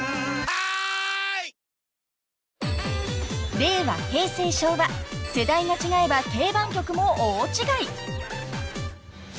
［令和平成昭和世代が違えば定番曲も大違い］